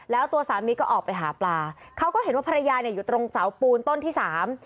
แล้วตัวสามีของผู้ศูนย์ก็ออกไปหาปลาเขาก็เห็นว่าภรรยาอยู่ตรงเสาปูนต้นที่สาม